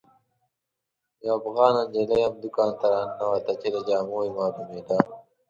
یوه افغانه نجلۍ هم دوکان ته راننوته چې له جامو یې معلومېده.